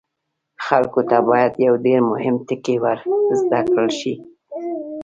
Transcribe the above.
خلکو ته باید یو ډیر مهم ټکی ور زده کړل شي.